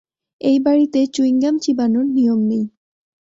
এই বাড়িতে চুইংগাম চিবানোর নিয়ম নেই।